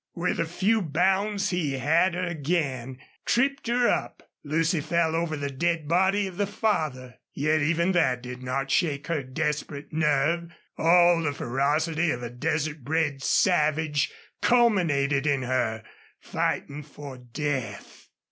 With a few bounds he had her again, tripped her up. Lucy fell over the dead body of the father. Yet even that did not shake her desperate nerve. All the ferocity of a desert bred savage culminated in her, fighting for death.